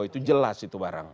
itu jelas itu barang